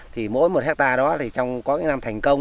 thì mỗi một hectare đó thì có những năm thành công